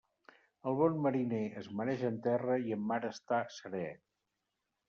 El bon mariner es mareja en terra i en mar està seré.